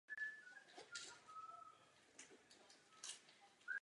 Mezitím panovala ve Středozemi tma a Melkor v ní rozšiřoval svou moc.